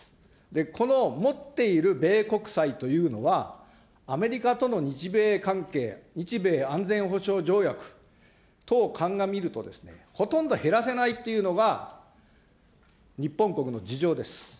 この持っている米国債というのは、アメリカとの日米関係、日米安全保障条約等を鑑みると、ほとんど減らせないというのが日本国の事情です。